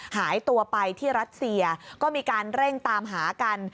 หายตัวไปที่รัสเซียก็มีการเร่งตามหากัน